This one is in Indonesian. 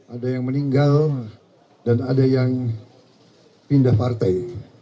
ada yang meninggal dan ada yang pindah partai